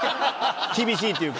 厳しいっていうか。